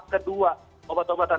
dan juga kami sudah